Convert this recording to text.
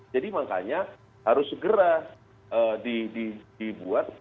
jadi makanya harus segera dibuat